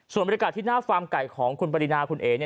ส่วนบรรยากาศที่หน้าฟาร์มไก่ของคุณปรินาคุณเอ๋